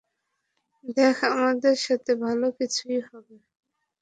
দেখ আমাদের সাথে ভালো কিছুই হবে।